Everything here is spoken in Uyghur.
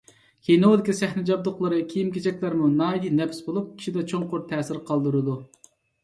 ﻛﯩﻨﻮﺩﯨﻜﻰ ﺳﻪﮪﻨﻪ ﺟﺎﺑﺪﯗﻗﻠﯩﺮى، ﻛﯩﻴﯩﻢ-ﻛﯧﭽﻪﻛﻠﻪﺭﻣﯘ ﻧﺎﮪﺎﻳﯩﺘﻰ ﻧﻪﭘﯩﺲ ﺑﻮﻟﯘﭖ، ﻛﯩﺸﯩﺪﻩ ﭼﻮﯕﻘﯘﺭ ﺗﻪﺳﯩﺮ ﻗﺎﻟﺪﯗﺭﯨﺪﯗ.